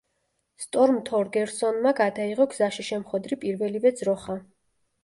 სტორმ თორგერსონმა გადაიღო გზაში შემხვედრი პირველივე ძროხა.